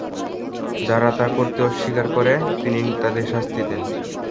যারা তা করতে অস্বীকার করে, তিনি তাদের শাস্তি দেন।